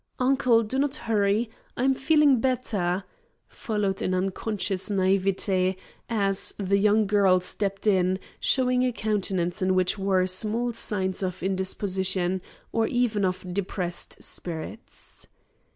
"Uncle, do not hurry; I am feeling better," followed in unconscious naïveté, as the young girl stepped in, showing a countenance in which were small signs of indisposition or even of depressed spirits.